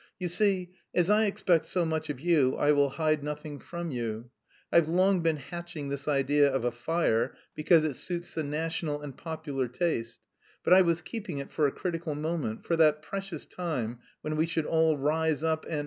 You see, as I expect so much of you I will hide nothing from you: I've long been hatching this idea of a fire because it suits the national and popular taste; but I was keeping it for a critical moment, for that precious time when we should all rise up and...